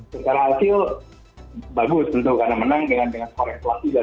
secara hasil bagus tentu karena menang dengan koreksi juga